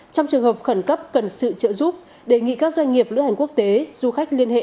trong trường hợp khẩn cấp cần sự trợ giúp đề nghị các doanh nghiệp lữ hành quốc tế du khách liên hệ